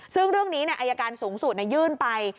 ซึ่งเรื่องนี้อายการสูงสุดยื่นไป